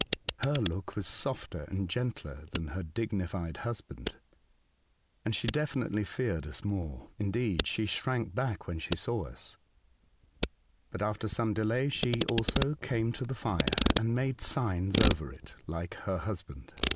Her look was softer and gentler than her dignified husband, and she evidently feared us more — indeed, she shrank back when she saw us ; but after some delay she also came to the fire and made signs over it like her husband.